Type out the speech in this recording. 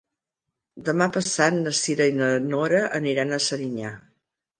Demà passat na Cira i na Nora aniran a Serinyà.